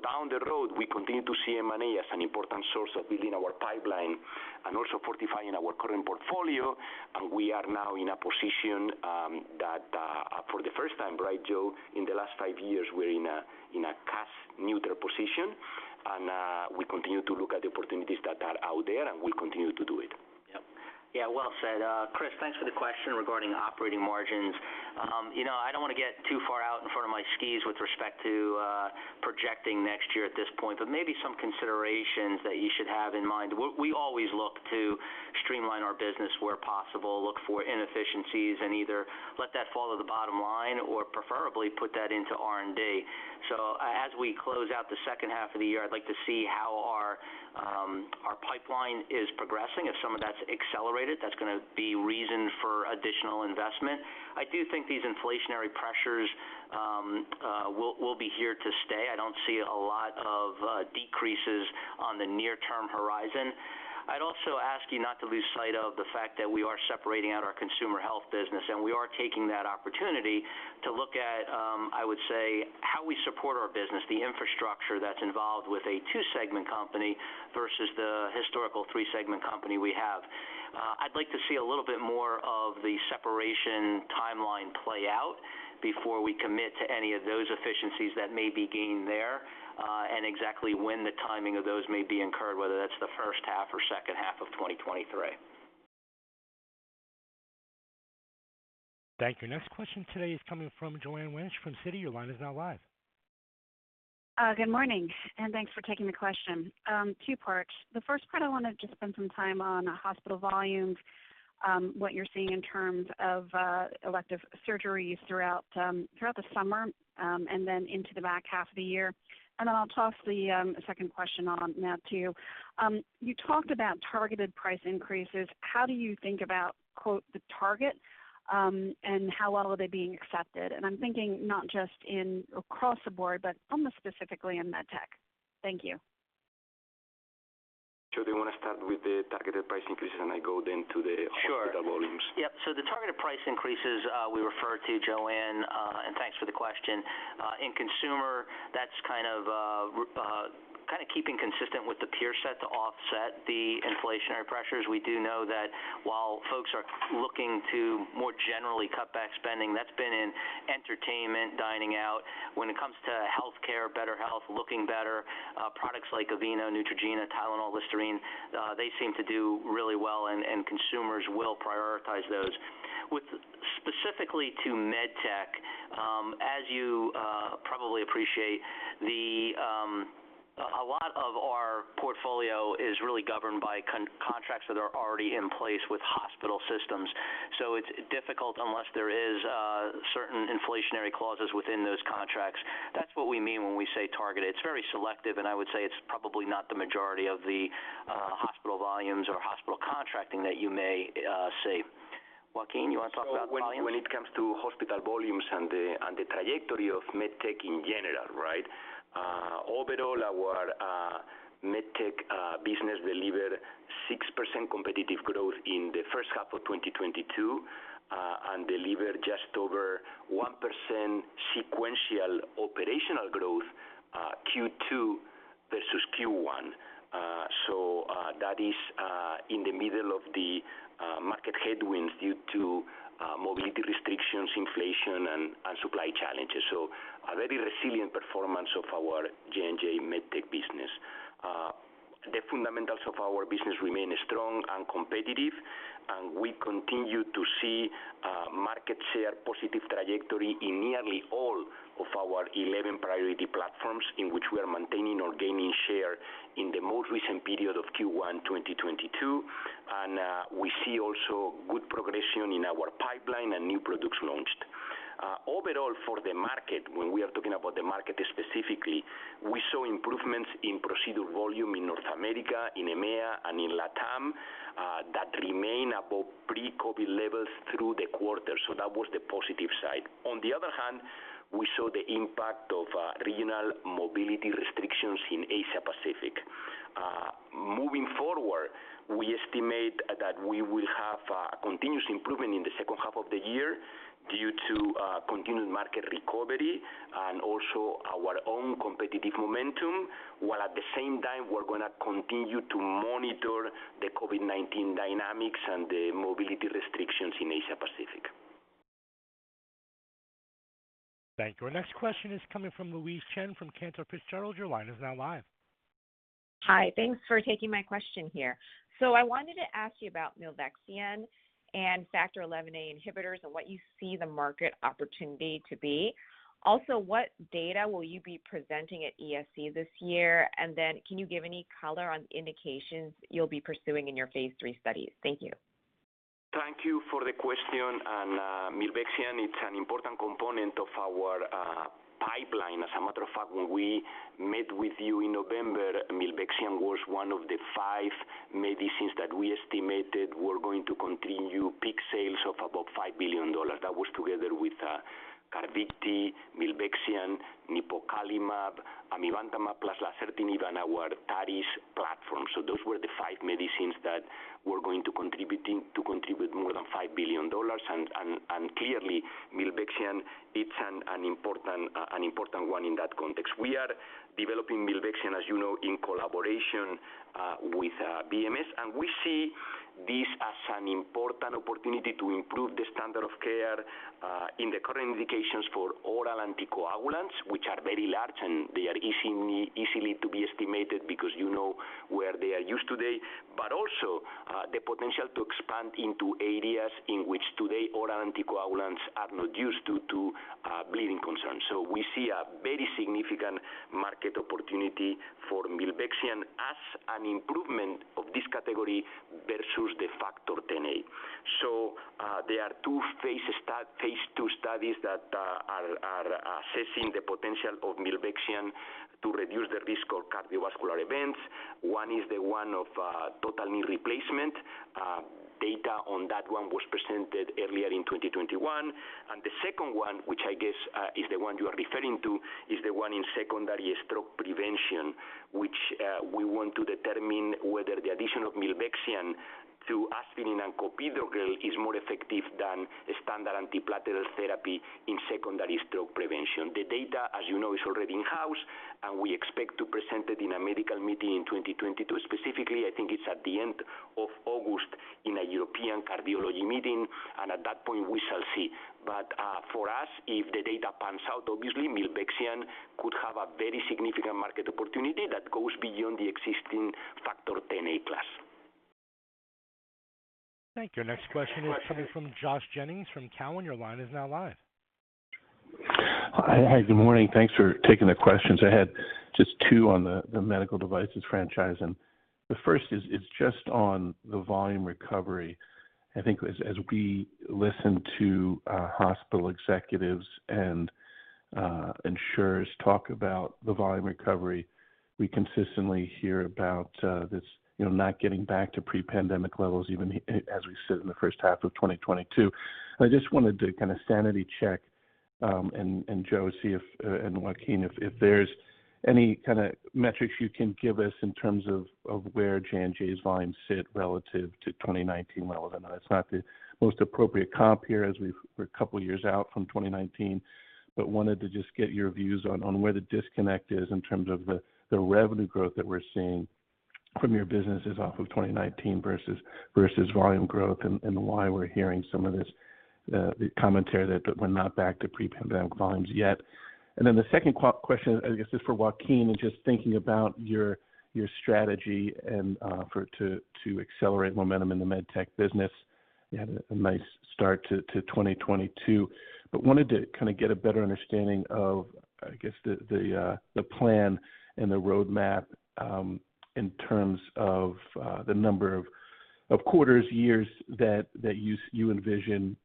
Down the road, we continue to see M&A as an important source of building our pipeline and also fortifying our current portfolio. We are now in a position, that, for the first time, right, Joe, in the last five years, we're in a cash neutral position. We continue to look at the opportunities that are out there, and we'll continue to do it. Yeah. Well said. Chris, thanks for the question regarding operating margins. You know, I don't wanna get too far out in front of my skis with respect to projecting next year at this point, but maybe some considerations that you should have in mind. We always look to streamline our business where possible, look for inefficiencies, and either let that fall to the bottom line or preferably put that into R&D. As we close out the second half of the year, I'd like to see how our our pipeline is progressing. If some of that's accelerated, that's gonna be reason for additional investment. I do think these inflationary pressures will be here to stay. I don't see a lot of decreases on the near-term horizon. I'd also ask you not to lose sight of the fact that we are separating out our consumer health business, and we are taking that opportunity to look at, I would say, how we support our business, the infrastructure that's involved with a two-segment company versus the historical three-segment company we have. I'd like to see a little bit more of the separation timeline play out before we commit to any of those efficiencies that may be gained there, and exactly when the timing of those may be incurred, whether that's the first half or second half of 2023. Thank you. Next question today is coming from Joanne Wuensch from Citi. Your line is now live. Good morning, and thanks for taking the question. Two parts. The first part I wanna just spend some time on hospital volumes, what you're seeing in terms of elective surgeries throughout the summer, and then into the back half of the year. Then I'll toss the second question on, Matt, to you. You talked about targeted price increases. How do you think about, quote, "the target," and how well are they being accepted? I'm thinking not just across the board, but almost specifically in MedTech. Thank you. Sure. Do you wanna start with the targeted price increases, and I go then to the. Sure. hospital volumes? Yep. The targeted price increases we refer to, Joanne, and thanks for the question. In Consumer, that's kind of keeping consistent with the peer set to offset the inflationary pressures. We do know that while folks are looking to more generally cut back spending, that's been in entertainment, dining out. When it comes to healthcare, better health, looking better, products like Aveeno, Neutrogena, Tylenol, Listerine, they seem to do really well and consumers will prioritize those. With specifically to MedTech, as you probably appreciate, a lot of our portfolio is really governed by contracts that are already in place with hospital systems. It's difficult unless there is certain inflationary clauses within those contracts. That's what we mean when we say targeted. It's very selective, and I would say it's probably not the majority of the hospital volumes or hospital contracting that you may see. Joaquin, you wanna talk about volumes? When it comes to hospital volumes and the trajectory of MedTech in general, right? Overall, our MedTech business delivered 6% competitive growth in the first half of 2022, and delivered just over 1% sequential operational growth, Q2 versus Q1. That is in the middle of the market headwinds due to mobility restrictions. A very resilient performance of our J&J MedTech business. The fundamentals of our business remain strong and competitive, and we continue to see market share positive trajectory in nearly all of our 11 priority platforms in which we are maintaining or gaining share in the most recent period of Q1 2022. We see also good progression in our pipeline and new products launched. Overall, for the market, when we are talking about the market specifically, we saw improvements in procedure volume in North America, in EMEA, and in LATAM, that remain above pre-COVID levels through the quarter. That was the positive side. On the other hand, we saw the impact of regional mobility restrictions in Asia Pacific. Moving forward, we estimate that we will have continuous improvement in the second half of the year due to continued market recovery and also our own competitive momentum, while at the same time, we're gonna continue to monitor the COVID-19 dynamics and the mobility restrictions in Asia Pacific. Thank you. Our next question is coming from Louise Chen from Cantor Fitzgerald. Your line is now live. Hi. Thanks for taking my question here. I wanted to ask you about Milvexian and Factor XIa inhibitors and what you see the market opportunity to be. Also, what data will you be presenting at ESC this year? And then can you give any color on indications you'll be pursuing in your phase three studies? Thank you. Thank you for the question. Milvexian, it's an important component of our pipeline. As a matter of fact, when we met with you in November, Milvexian was one of the five medicines that we estimated were going to continue peak sales of about $5 billion. That was together with you know, not getting back to pre-pandemic levels even as we sit in the first half of 2022. I just wanted to kind of sanity check, and Joe, see if, and Joaquin, if there's any kind of metrics you can give us in terms of where J&J's volumes sit relative to 2019 levels. I know it's not the most appropriate comp here as we're a couple years out from 2019, but wanted to just get your views on where the disconnect is in terms of the revenue growth that we're seeing from your businesses off of 2019 versus volume growth, and why we're hearing some of this the commentary that we're not back to pre-pandemic volumes yet. Then the second question, I guess, is for Joaquin, and just thinking about your strategy and to accelerate momentum in the med tech business. You had a nice start to 2022, but wanted to kind of get a better understanding of, I guess the plan and the roadmap in terms of the number of quarters, years that you envision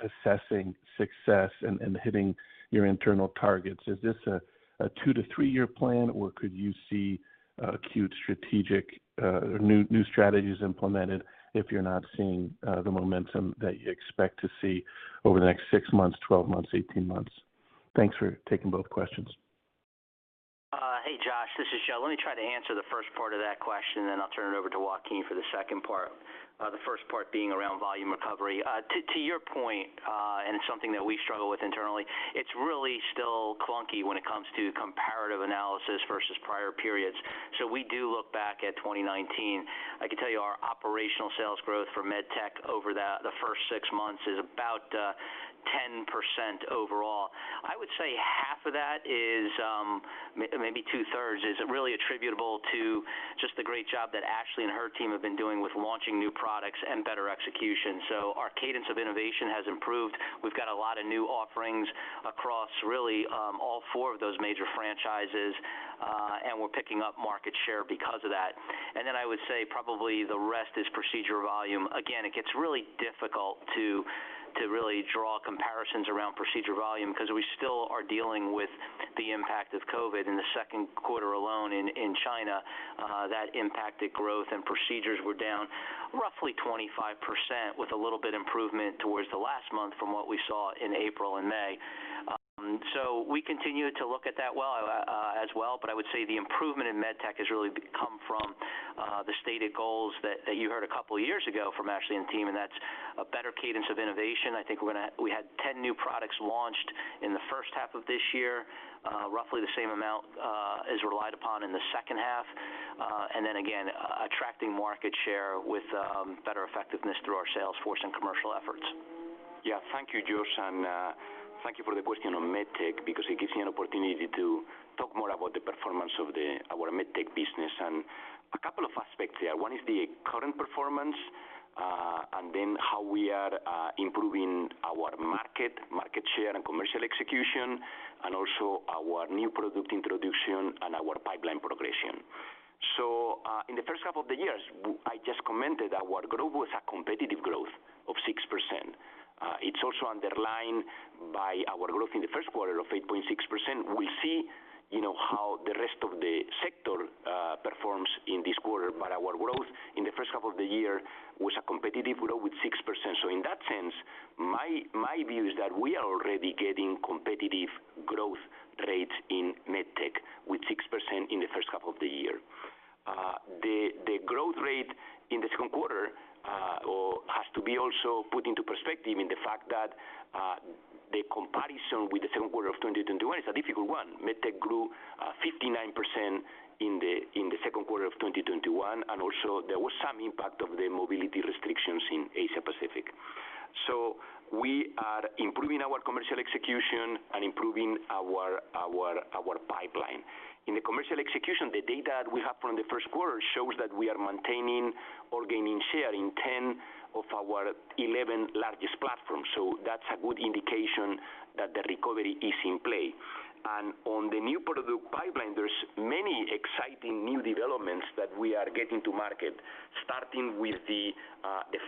assessing success and hitting your internal targets. Is this a two to three year plan, or could you see acute strategic or new strategies implemented if you're not seeing the momentum that you expect to see over the next 6six months, 12 months, 18 months? Thanks for taking both questions. Hey, Josh, this is Joe. Let me try to answer the first part of that question, and then I'll turn it over to Joaquin for the second part. The first part being around volume recovery. To your point, and it's something that we struggle with internally, it's really still clunky when it comes to comparative analysis versus prior periods. We do look back at 2019. I can tell you our operational sales growth for MedTech over that, the first six months is about 10% overall. I would say half of that is, maybe two-thirds is really attributable to just the great job that Ashley and her team have been doing with launching new products and better execution. Our cadence of innovation has improved. We've got a lot of new offerings across really all four of those major franchises, and we're picking up market share because of that. Then I would say probably the rest is procedure volume. Again, it gets really difficult to really draw comparisons around procedure volume 'cause we still are dealing with the impact of COVID. In the second quarter alone in China, that impacted growth and procedures were down roughly 25% with a little bit improvement towards the last month from what we saw in April and May. We continue to look at that as well, but I would say the improvement in MedTech has really come from the stated goals that you heard a couple of years ago from Ashley and team, and that's a better cadence of innovation. We had 10 new products launched in the first half of this year, roughly the same amount is relied upon in the second half. Attracting market share with better effectiveness through our sales force and commercial efforts. Yeah. Thank you, Josh, and thank you for the question on MedTech, because it gives me an opportunity to talk more about the performance of our MedTech business. A couple of aspects here. One is the current performance, and then how we are improving our market share and commercial execution, and also our new product introduction and our pipeline progression. In the first half of the year, I just commented our growth was a competitive growth of 6%. It's also underlined by our growth in the first quarter of 8.6%. We'll see, you know, how the rest of the sector performs in this quarter. Our growth in the first half of the year was a competitive growth with 6%. In that sense, my view is that we are already getting competitive growth rates in MedTech with 6% in the first half of the year. The growth rate in the second quarter has to be also put into perspective in the fact that the comparison with the second quarter of 2021 is a difficult one. MedTech grew 59% in the second quarter of 2021, and also there was some impact of the mobility restrictions in Asia Pacific. We are improving our commercial execution and improving our pipeline. In the commercial execution, the data we have from the first quarter shows that we are maintaining or gaining share in 10 of our 11 largest platforms. That's a good indication that the recovery is in play. On the new product pipeline, there's many exciting new developments that we are getting to market, starting with the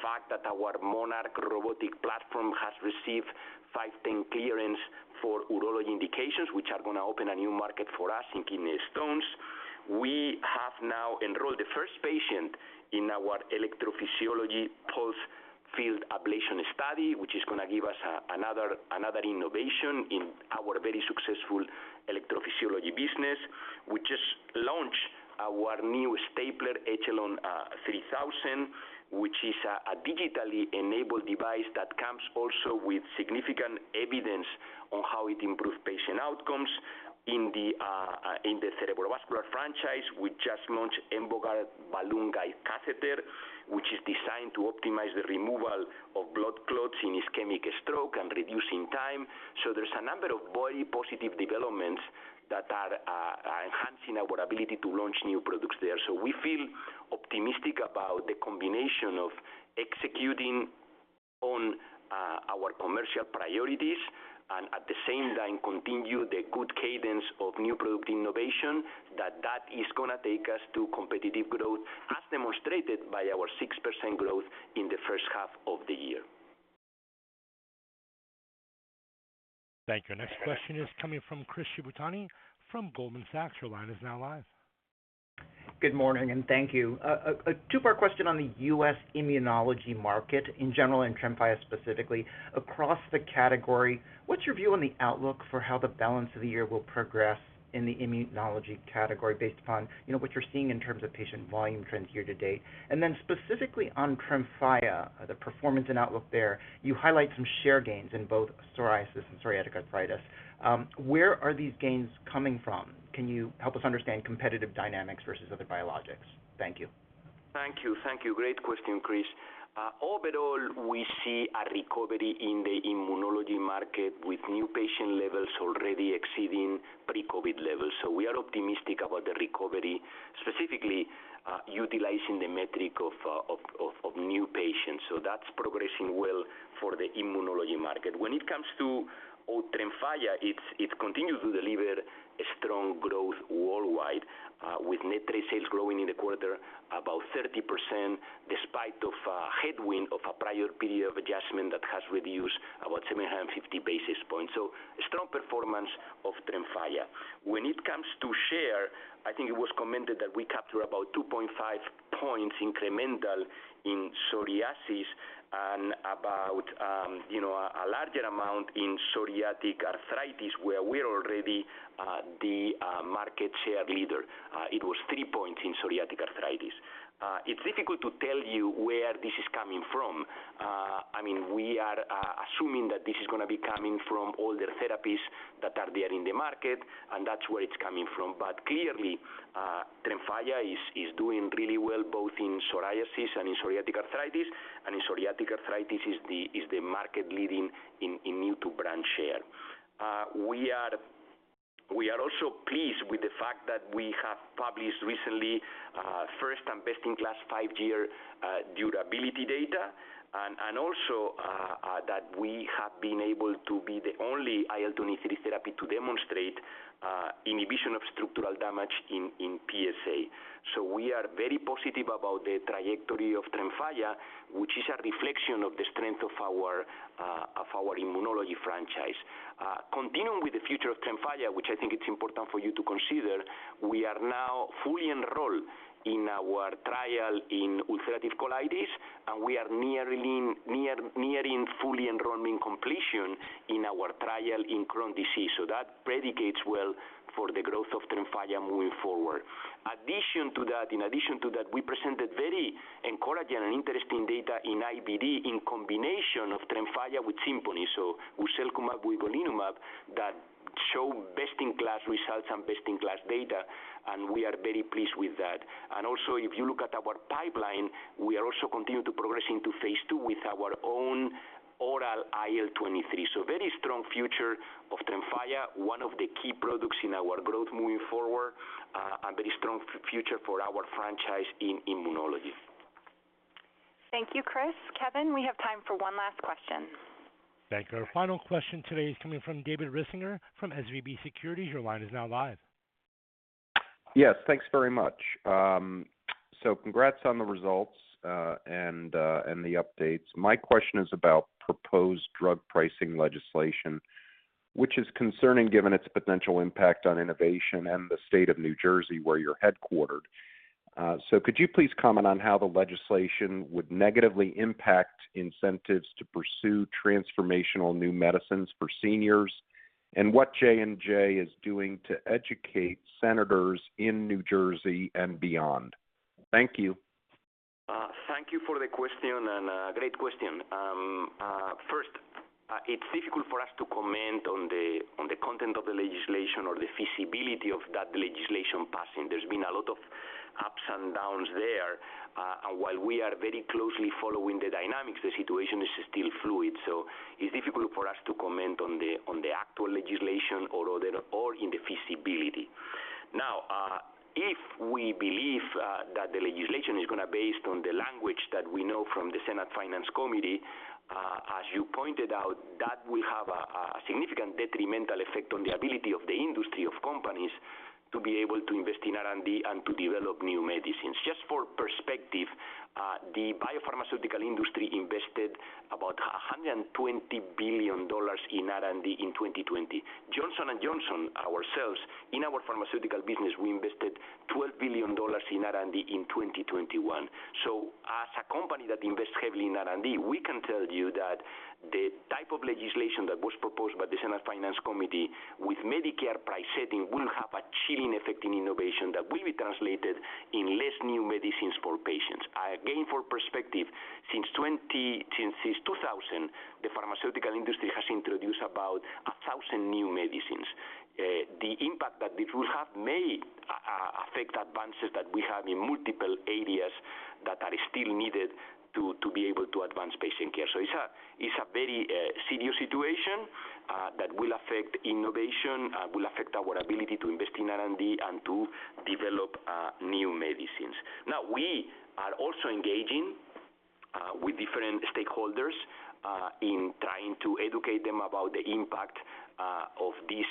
fact that our Monarch robotic platform has received 510(k) clearance for urology indications, which are gonna open a new market for us in kidney stones. We have now enrolled the first patient in our electrophysiology pulsed field ablation study, which is gonna give us another innovation in our very successful electrophysiology business. We just launched our new stapler, Echelon 3000, which is a digitally enabled device that comes also with significant evidence on how it improves patient outcomes. In the cerebrovascular franchise, we just launched EMBOGUARD balloon guide catheter, which is designed to optimize the removal of blood clots in ischemic stroke and reducing time. There's a number of very positive developments that are enhancing our ability to launch new products there. We feel optimistic about the combination of executing on our commercial priorities and at the same time continue the good cadence of new product innovation that is gonna take us to competitive growth, as demonstrated by our 6% growth in the first half of the year. Thank you. Next question is coming from Chris Shibutani from Goldman Sachs. Your line is now live. Good morning, and thank you. A two-part question on the U.S. immunology market in general and TREMFYA specifically. Across the category, what's your view on the outlook for how the balance of the year will progress in the immunology category based upon, you know, what you're seeing in terms of patient volume trends year-to-date? Specifically on TREMFYA, the performance and outlook there, you highlight some share gains in both psoriasis and psoriatic arthritis. Where are these gains coming from? Can you help us understand competitive dynamics versus other biologics? Thank you. Thank you. Thank you. Great question, Chris. Overall, we see a recovery in the immunology market with new patient levels already exceeding pre-COVID levels. We are optimistic about the recovery, specifically utilizing the metric of new patients. That's progressing well for the immunology market. When it comes to TREMFYA, it continues to deliver a strong growth worldwide with net trade sales growing in the quarter about 30% despite a headwind of a prior period of adjustment that has reduced about 750 basis points. A strong performance of TREMFYA. When it comes to share, I think it was commented that we capture about 2.5 points incremental in psoriasis and about a larger amount in psoriatic arthritis, where we're already the market share leader. It was 3-point in psoriatic arthritis. It's difficult to tell you where this is coming from. I mean, we are assuming that this is gonna be coming from older therapies that are there in the market, and that's where it's coming from. Clearly, TREMFYA is doing really well, both in psoriasis and in psoriatic arthritis. In psoriatic arthritis, it is the market leading in new-to-brand share. We are also pleased with the fact that we have published recently first and best-in-class 5-year durability data, and also that we have been able to be the only IL-23 therapy to demonstrate inhibition of structural damage in PSA. We are very positive about the trajectory of TREMFYA, which is a reflection of the strength of our immunology franchise. Continuing with the future of TREMFYA, which I think it's important for you to consider, we are now fully enrolled in our trial in ulcerative colitis, and we are nearing full enrollment completion in our trial in Crohn's disease. That predicates well for the growth of TREMFYA moving forward. In addition to that, we presented very encouraging and interesting data in IBD in combination of TREMFYA with SIMPONI. Guselkumab with golimumab that show best-in-class results and best-in-class data, and we are very pleased with that. If you look at our pipeline, we are also continuing to progress into phase 2 with our own oral IL-23. Very strong future of TREMFYA, one of the key products in our growth moving forward, a very strong future for our franchise in immunology. Thank you, Chris. Kevin, we have time for one last question. Thank you. Our final question today is coming from David Risinger from SVB Securities. Your line is now live. Yes, thanks very much. Congrats on the results and the updates. My question is about proposed drug pricing legislation, which is concerning given its potential impact on innovation and the state of New Jersey, where you're headquartered. Could you please comment on how the legislation would negatively impact incentives to pursue transformational new medicines for seniors? What J&J is doing to educate senators in New Jersey and beyond? Thank you. Thank you for the question and great question. First, it's difficult for us to comment on the content of the legislation or the feasibility of that legislation passing. There's been a lot of ups and downs there. While we are very closely following the dynamics, the situation is still fluid, so it's difficult for us to comment on the actual legislation or on the feasibility. Now, if we believe that the legislation is gonna based on the language that we know from the Senate Committee on Finance, as you pointed out, that will have a significant detrimental effect on the ability of the industry of companies to be able to invest in R&D and to develop new medicines. Just for perspective, the biopharmaceutical industry invested about $120 billion in R&D in 2020. Johnson & Johnson, ourselves, in our pharmaceutical business, we invested $12 billion in R&D in 2021. As a company that invests heavily in R&D, we can tell you that the type of legislation that was proposed by the Senate Finance Committee with Medicare price setting will have a chilling effect in innovation that will be translated in less new medicines for patients. Again, for perspective, since 2000, the pharmaceutical industry has introduced about 1,000 new medicines. The impact that this will have may affect advances that we have in multiple areas that are still needed to be able to advance patient care. It's a very serious situation that will affect innovation, will affect our ability to invest in R&D and to develop new medicines. Now, we are also engaging with different stakeholders in trying to educate them about the impact of this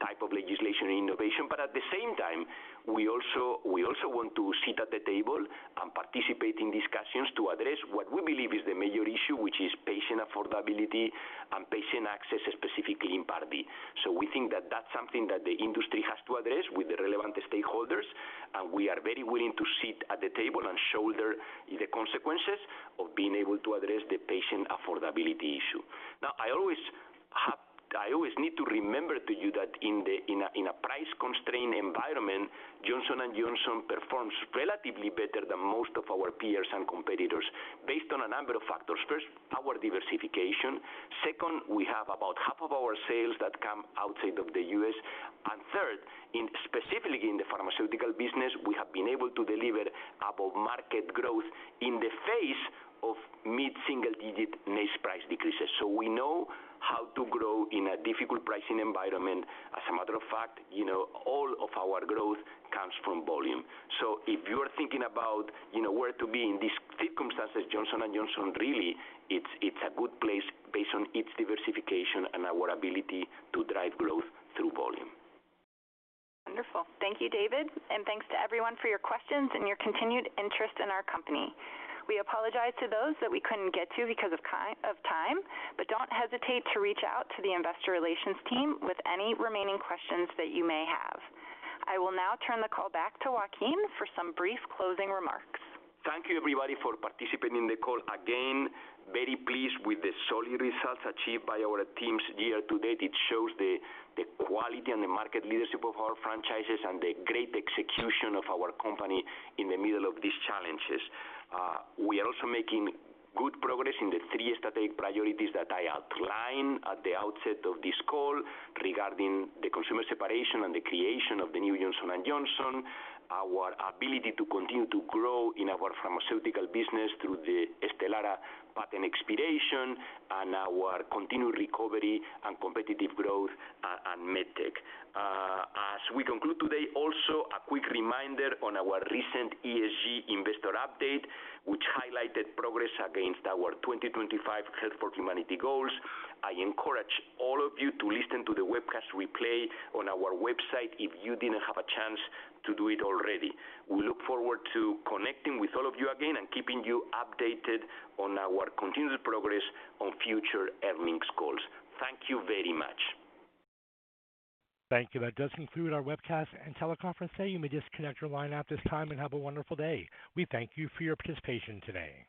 type of legislation and innovation. At the same time, we also want to sit at the table and participate in discussions to address what we believe is the major issue, which is patient affordability and patient access, specifically in Part D. We think that that's something that the industry has to address with the relevant stakeholders, and we are very willing to sit at the table and shoulder the consequences of being able to address the patient affordability issue. Now, I always need to remind you that in a price-constrained environment, Johnson & Johnson performs relatively better than most of our peers and competitors based on a number of factors. First, our diversification. Second, we have about half of our sales that come outside of the U.S. Third, specifically in the pharmaceutical business, we have been able to deliver above-market growth in the face of mid-single-digit net price decreases. We know how to grow in a difficult pricing environment. As a matter of fact, you know, all of our growth comes from volume. If you're thinking about, you know, where to be in these circumstances, Johnson & Johnson, really, it's a good place based on its diversification and our ability to drive growth through volume. Wonderful. Thank you, David, and thanks to everyone for your questions and your continued interest in our company. We apologize to those that we couldn't get to because of time, but don't hesitate to reach out to the investor relations team with any remaining questions that you may have. I will now turn the call back to Joaquin for some brief closing remarks. Thank you, everybody, for participating in the call. Again, very pleased with the solid results achieved by our teams year-to-date. It shows the quality and the market leadership of our franchises and the great execution of our company in the middle of these challenges. We are also making good progress in the three strategic priorities that I outlined at the outset of this call regarding the consumer separation and the creation of the new Johnson & Johnson, our ability to continue to grow in our pharmaceutical business through the STELARA patent expiration, and our continued recovery and competitive growth at MedTech. As we conclude today, also a quick reminder on our recent ESG investor update, which highlighted progress against our 2025 Health for Humanity goals. I encourage all of you to listen to the webcast replay on our website if you didn't have a chance to do it already. We look forward to connecting with all of you again and keeping you updated on our continued progress on future earnings calls. Thank you very much. Thank you. That does conclude our webcast and teleconference today. You may disconnect your line at this time and have a wonderful day. We thank you for your participation today.